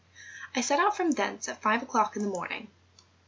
I set out from thence at five o'clock in the morning.